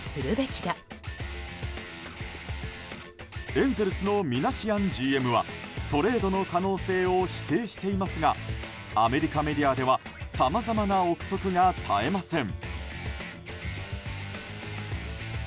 エンゼルスのミナシアンＧＭはトレードの可能性を否定していますがアメリカメディアではさまざまな憶測が絶えません。